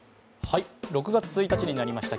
６月１日になりました。